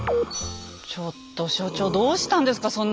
ちょっと所長どうしたんですか。